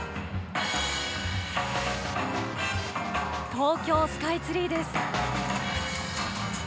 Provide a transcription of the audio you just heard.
東京スカイツリーです。